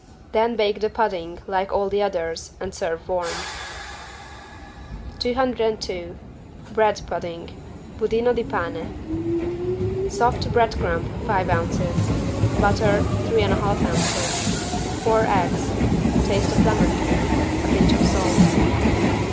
Then bake the pudding like all the others and serve warm. 202 BREAD PUDDING (Budino di pane) Soft bread crumb, five ounces. Butter, three and a half ounces. Four eggs. Taste of lemon peel. A pinch of salt.